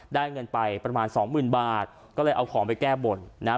เงินไปประมาณสองหมื่นบาทก็เลยเอาของไปแก้บนนะฮะ